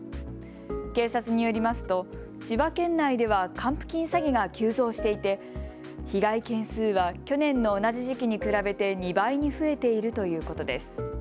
警察によりますと千葉県内では還付金詐欺が急増していて被害件数は去年の同じ時期に比べて２倍に増えているということです。